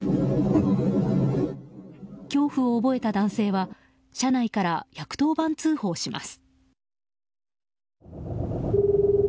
恐怖を覚えた男性は、車内から１１０番通報します。